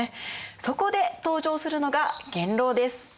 そこで登場するのが元老です。